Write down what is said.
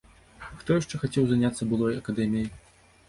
Хто яшчэ хацеў заняцца былой акадэміяй?